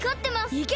いけ！